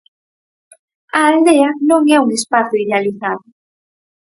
A aldea non é un espazo idealizado.